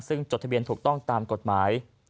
ซึ่งจดทะเบียนถูกต้องตามกฎหมาย